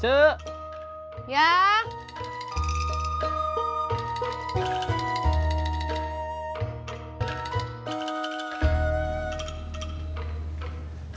tapi bisa lebih mudah